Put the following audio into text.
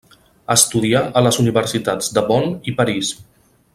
Estudià a les universitats de Bonn i París.